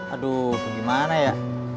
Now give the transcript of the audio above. aduh gimana ya